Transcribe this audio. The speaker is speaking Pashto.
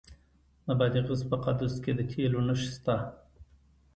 د بادغیس په قادس کې د تیلو نښې شته.